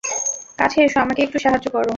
কাছে এসো, আমাকে একটু সাহায্য করো!